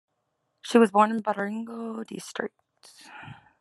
She was born in Baringo District.